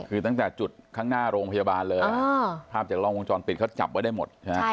คือตั้งแต่จุดข้างหน้าโรงพยาบาลเลยภาพจากล้องวงจรปิดเขาจับไว้ได้หมดใช่ไหม